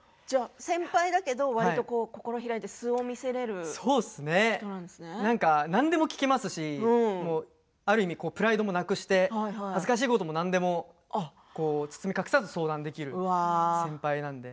先輩だけどわりと心を開いて何でも聞きますしある意味プライドもなくして恥ずかしいことも何でも包み隠さず相談できる先輩なんで。